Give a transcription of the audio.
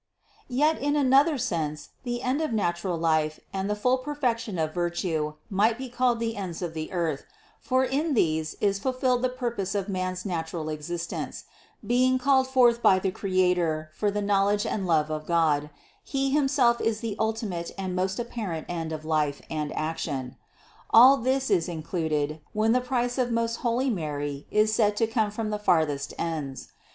Yet, in another sense, the end of natural life and the full perfection of virtue might be called the ends of the earth, for in these is fulfilled the purpose of man's natural existence; being called forth by the Crea tor for the knowledge and love of God, He himself is the ultimate and most apparent end of life and action. All this is included, when the price of most holy Mary is said to come from the farthest ends.